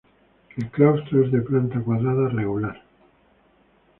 El claustro es de planta cuadrada regular.